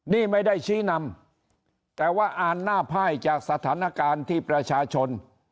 นี่ไม่ได้ชี้นำแต่ว่าอ่านหน้าไพ่จากสถานการณ์ที่ประชาชน